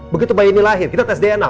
begitu bayi ini lahir kita tes dna